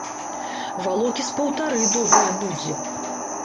Валокі з паўтары добрыя будзе.